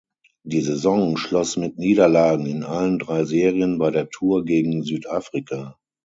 Die Saison schloss mit Niederlagen in allen drei Serien bei der Tour gegen Südafrika.